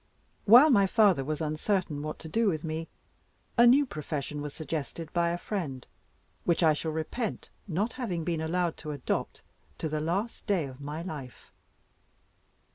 While my father was uncertain what to do with me, a new profession was suggested by a friend, which I shall repent not having been allowed to adopt, to the last day of my life.